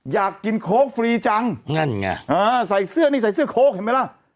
อยากกินโค้กฟรีจังนั่นไงเออใส่เสื้อนี่ใส่เสื้อโค้กเห็นไหมล่ะ